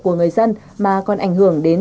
của người dân mà còn ảnh hưởng đến